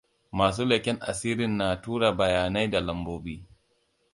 Masu leken asirin na tura bayanai da lambobi.